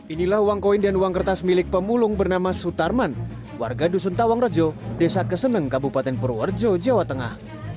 inilah uang koin dan uang kertas milik pemulung bernama sutarman warga dusun tawang rejo desa keseneng kabupaten purworejo jawa tengah